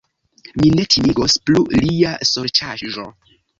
Min ne timigos plu lia sorĉaĵo!